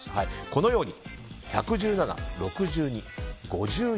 このように１１７、６２、５４。